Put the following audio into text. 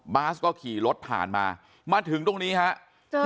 บ๊าซก็ขี่รถผ่านมามาถึงตรงนี้ฮะเจออีก